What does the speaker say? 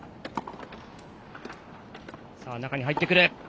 中に入ってくる。